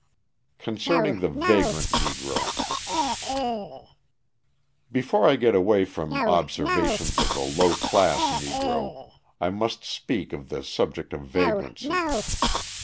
Concerning the Vagrant Negro Before I get away from observations of the low class Negro, I must speak of the subject of vagrancy.